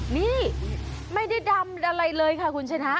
นี่ไม่ได้ดำอะไรเลยค่ะคุณชนะ